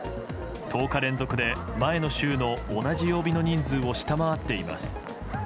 １０日連続で前の週の同じ曜日の人数を下回っています。